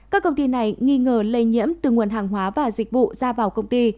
các công ty này nghi ngờ lây nhiễm từ nguồn hàng hóa và dịch vụ ra vào công ty